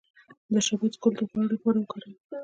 د شبت ګل د غوړ لپاره وکاروئ